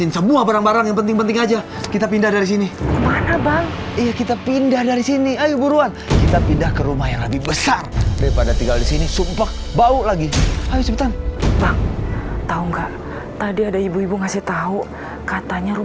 sampai jumpa di video selanjutnya